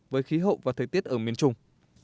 với khí hậu và thế tiết ở miền trung